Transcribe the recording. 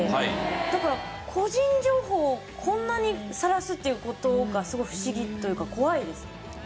だから個人情報をこんなにさらすっていう事がすごい不思議というか怖いですね。